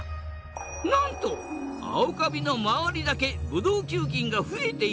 なんとアオカビの周りだけブドウ球菌が増えていなかったのだ！